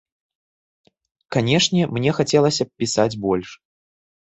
Канешне, мне хацелася б пісаць больш.